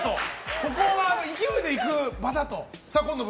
ここは勢いで行く場だと。